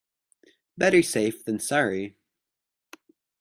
Better safe than sorry.